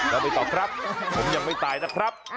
ไปต่อครับผมยังไม่ตายนะครับ